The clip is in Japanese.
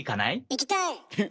行きたい！